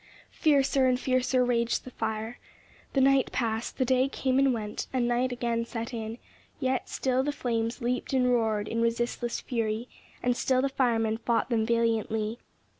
Fiercer and fiercer raged the fire. The night passed the day came and went, and night again set in yet still the flames leaped and roared in resistless fury, and still the firemen fought them valiantly.